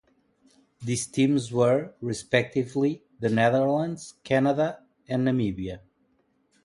These teams were, respectively, the Netherlands, Canada and Namibia.